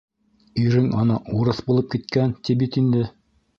Ирең ана урыҫ булып киткән, ти бит инде.